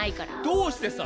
「どうしてさ！」